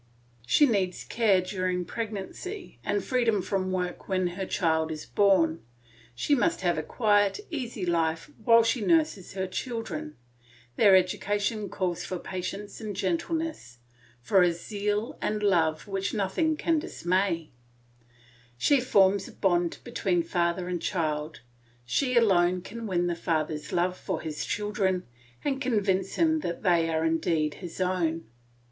She needs care during pregnancy and freedom from work when her child is born; she must have a quiet, easy life while she nurses her children; their education calls for patience and gentleness, for a zeal and love which nothing can dismay; she forms a bond between father and child, she alone can win the father's love for his children and convince him that they are indeed his own.